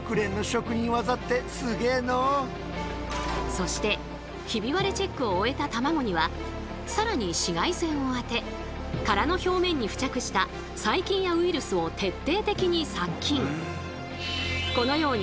そしてヒビ割れチェックを終えたたまごには更に紫外線を当て殻の表面に付着した細菌やウイルスを徹底的に殺菌！